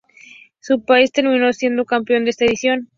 Su país terminó siendo campeón de esa edición.